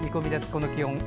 この気温。